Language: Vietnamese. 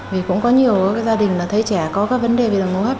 vì cũng có nhiều gia đình thấy trẻ có các vấn đề về đường hôn hấp